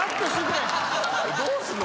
どうすんの？